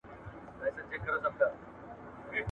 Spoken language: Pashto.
د زعفرانو صنعت په چټکۍ سره وده کوي.